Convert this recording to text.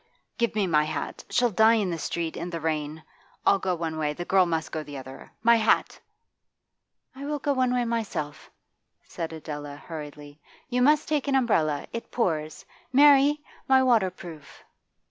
'Give me my hat! She'll die in the street, in the rain! I'll go one way; the girl must go the other. My hat!' 'I will go one way myself,' said Adela hurriedly. 'You must take an umbrella: it pours. Mary! my waterproof!